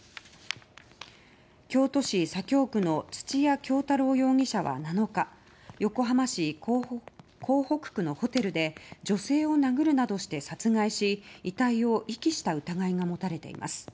京都市左京区の土屋京多郎容疑者は７日横浜市港北区のホテルで女性を殴るなどして殺害し遺体を遺棄した疑いが持たれています。